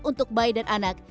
untuk bayi dan anak